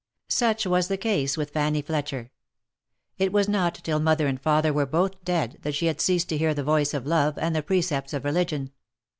Such was the case with Fanny Fletcher. It was not till mother and father were both dead, that she had ceased to hear the voice of love, and the precepts of religion.